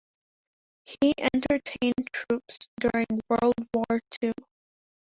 He entertained troops during World War Two.